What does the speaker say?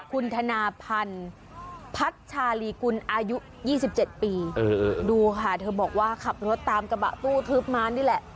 คุณธนาพันธ์พัชชาลีกุลอายุ๒๗ปีดูค่ะเธอบอกว่าขับรถตามกระบะตู้ทึบมานี่แหละ